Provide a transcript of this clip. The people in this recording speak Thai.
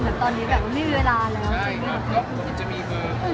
แต่ตอนนี้แบบว่าไม่มีเวลาแล้ว